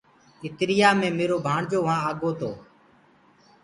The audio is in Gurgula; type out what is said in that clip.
اِتيآ مي ميرو ڀآڻجو وهآنٚ آگو تو